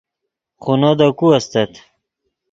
خونو دے کو استت